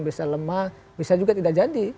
bisa lemah bisa juga tidak jadi